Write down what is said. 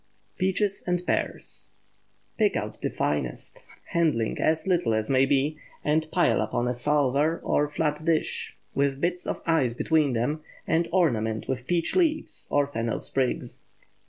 PEACHES AND PEARS. Pick out the finest, handling as little as may be, and pile upon a salver or flat dish, with bits of ice between them, and ornament with peach leaves or fennel sprigs.